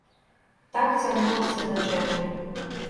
Так цягнулася да чэрвеня.